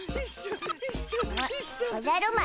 ん？おじゃる丸？